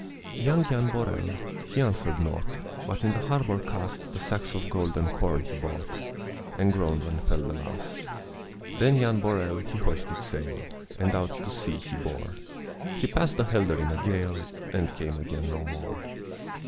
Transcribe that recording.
Young Jan Borel, he answered naught, But in the harbor cast The sacks of golden corn he brought, And groaned when fell the last. Then Jan Borel, he hoisted sail, And out to sea he bore; He passed the Helder in a gale And came again no more.